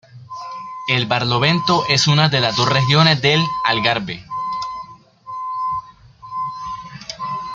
El Barlovento es una de las dos regiones del Algarve.